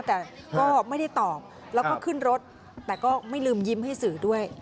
แต่ก็ไม่ได้ตอบแล้วก็ขึ้นรถแต่ก็ไม่ลืมยิ้มให้สื่อด้วย